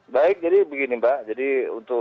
baik jadi begini mbak jadi untuk